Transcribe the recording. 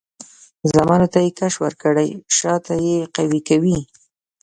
زامنو ته یې کش ورکړی؛ شاته یې قوي کوي.